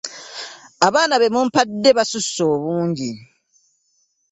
Abaana be mumpadde basusse obungi.